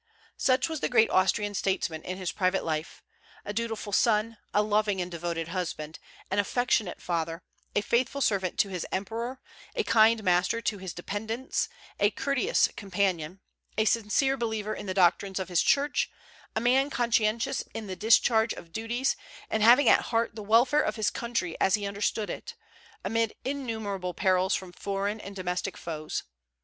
Such was the great Austrian statesman in his private life, a dutiful son, a loving and devoted husband, an affectionate father, a faithful servant to his emperor, a kind master to his dependants, a courteous companion, a sincere believer in the doctrines of his church, a man conscientious in the discharge of duties, and having at heart the welfare of his country as he understood it, amid innumerable perils from foreign and domestic foes.